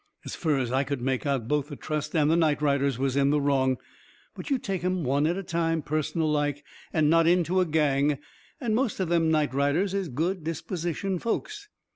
As fur as I could make out both the trust and the night riders was in the wrong. But, you take 'em one at a time, personal like, and not into a gang, and most of them night riders is good dispositioned folks.